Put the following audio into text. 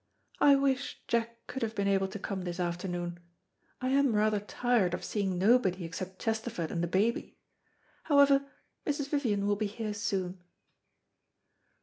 I wish Jack could have been able to come this afternoon. I am rather tired of seeing nobody except Chesterford and the baby. However, Mrs. Vivian will be here soon."